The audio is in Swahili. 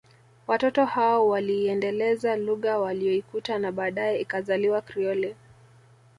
Watoto hao waliiendeleza lugha waliyoikuta na baadaye ikazaliwa Krioli